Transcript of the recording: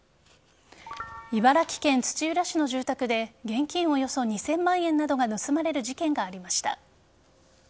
茨城県土浦市の住宅で現金およそ２０００万円などが盗まれる事件がありました。